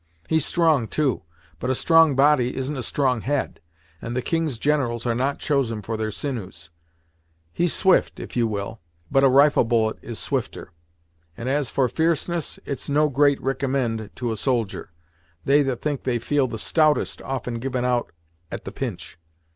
He's strong too, but a strong body isn't a strong head, and the king's generals are not chosen for their sinews; he's swift, if you will, but a rifle bullet is swifter; and as for f'erceness, it's no great ricommend to a soldier; they that think they feel the stoutest often givin' out at the pinch.